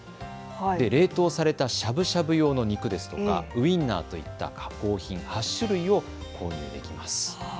冷凍されたしゃぶしゃぶ用の肉ですとかウインナーといった加工品、８種類を購入できます。